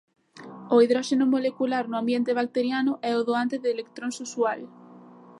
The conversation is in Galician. O hidróxeno molecular no ambiente bacteriano é o doante de electróns usual.